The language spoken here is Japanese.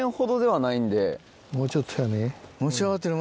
もうちょっとやね。